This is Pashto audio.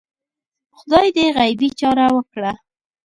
خدای دې غیبي چاره وکړه